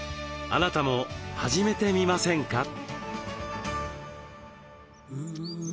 あなたも始めてみませんか？